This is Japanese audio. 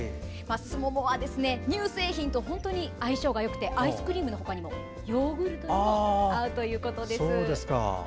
すももは本当に乳製品との相性がよくてアイスクリームのほかにもヨーグルトにも合うということです。